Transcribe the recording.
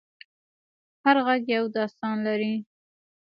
هر غږ یو داستان لري.